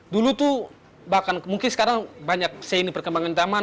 dulu tuh bahkan mungkin sekarang banyak seini perkembangan zaman